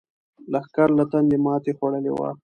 لښکر له تندې ماتې خوړلې وه.